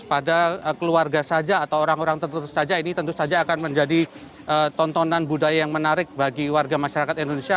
pada keluarga saja atau orang orang tertentu saja ini tentu saja akan menjadi tontonan budaya yang menarik bagi warga masyarakat indonesia